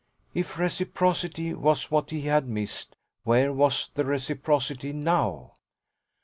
If reciprocity was what he had missed where was the reciprocity now?